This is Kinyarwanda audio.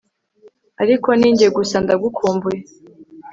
ariko ni njye gusa ndagukumbuye